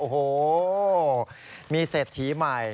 โอ้โหมีเศรษฐีใหม่